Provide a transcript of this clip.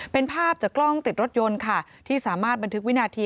เป็นภาพจากกล้องติดรถยนต์ค่ะที่สามารถบันทึกวินาที